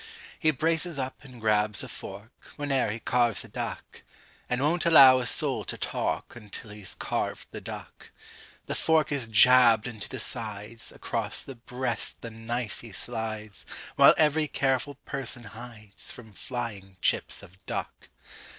He braces up and grabs a fork Whene'er he carves a duck And won't allow a soul to talk Until he's carved the duck. The fork is jabbed into the sides Across the breast the knife he slides While every careful person hides From flying chips of duck.